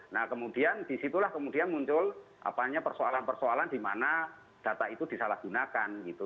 nah kemudian di situlah kemudian muncul apa hanya persoalan persoalan dimana data itu disalahgunakan gitu